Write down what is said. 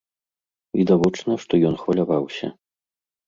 Відавочна, што ён хваляваўся.